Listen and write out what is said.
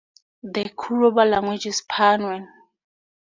The Korubo language is Panoan.